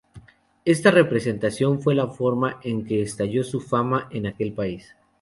Esta presentación fue la forma en que estalló su fama en aquel país.